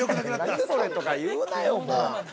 ◆何それとか言うなよ、もう。